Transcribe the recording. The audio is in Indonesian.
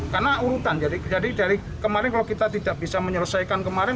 karena urutan jadi dari kemarin kalau kita tidak bisa menyelesaikan kemarin